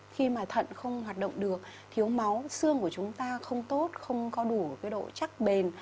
khi mà thận không hoạt động được thiếu máu xương của chúng ta không tốt không có đủ độ chắc bền